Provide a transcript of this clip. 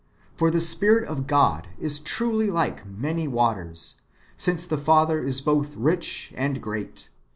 "^ For the Spirit [of God] is truly [like] many waters, since the Father is both rich and great.